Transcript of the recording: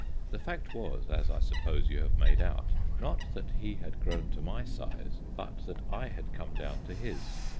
The fact was, as I suppose you have made out, not that he had grown to my size, but that I had come down to his.